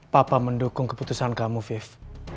papa mendukung keputusan kamu five